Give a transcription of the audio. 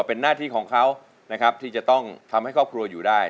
เป็นหน้าที่ของเขานะครับที่จะต้องทำให้ครอบครัวอยู่ได้